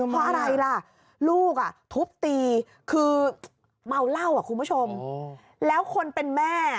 เพราะอะไรล่ะลูกทุบตีคือเมาเหล้าคุณผู้ชมแล้วคนเป็นแม่